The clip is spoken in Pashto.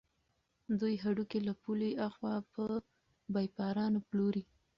دوی هډوکي له پولې اخوا په بېپارانو پلوري.